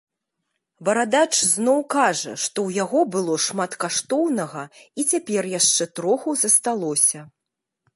Барадач зноў кажа, што ў яго было шмат каштоўнага і цяпер яшчэ троху засталося.